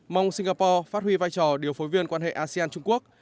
mong singapore phát huy vai trò điều phối viên quan hệ asean trung quốc